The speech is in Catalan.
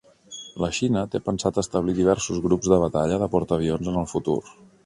La Xina té pensat establir diversos grups de batalla de portaavions en el futur.